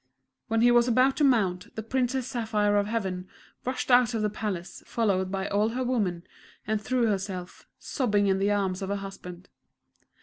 When he was about to mount, the Princess Saphire of Heaven rushed out of the Palace, followed by all her women, and threw herself, sobbing into the arms of her husband.